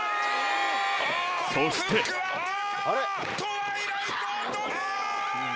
そしてトワイライト・ドリーム！